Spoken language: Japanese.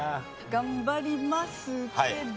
頑張りますけど。